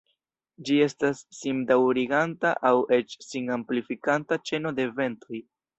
Ĝi estas sim-daŭriganta aŭ eĉ sin-amplifikanta ĉeno de eventoj.